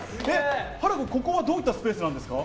ここはどういったスペースなんですか？